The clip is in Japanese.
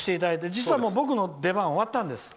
実はもう、僕の出番は終わったんです。